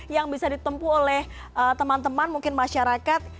yang bisa ditempu oleh teman teman mungkin masyarakat